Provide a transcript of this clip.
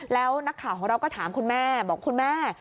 แล้วนักข่าวของเราก็ถามคุณแม่บอกคุณแม่